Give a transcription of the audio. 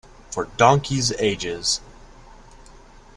For donkeys' ages.